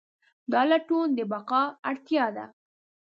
دا لټون د بقا اړتیا ده.